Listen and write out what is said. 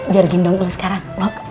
jorgin dong lu sekarang